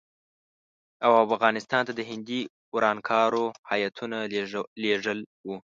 او افغانستان ته د هندي ورانکارو هیاتونه لېږل وو.